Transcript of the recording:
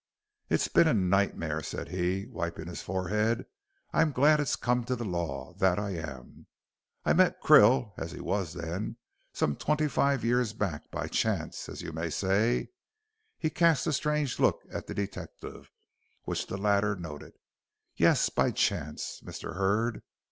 "It's been a nightmare," said he, wiping his forehead. "I'm glad it's come to the lawr, that I am. I met Krill, as he wos then, some twenty five year back by chance, as you may say" he cast a strange look at the detective, which the latter noted "yes, by chance, Mr. Hurd.